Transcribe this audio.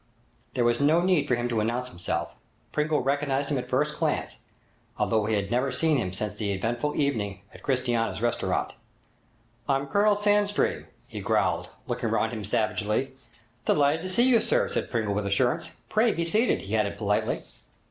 There was no need for him to announce himself. Pringle recognized him at first glance, although he had never seen him since the eventful evening at Cristiani's restaurant. 'I'm Colonel Sandstream!' he growled, looking round him savagely. 'Delighted to see you, sir,' said Pringle with assurance. 'Pray be seated,' he added politely.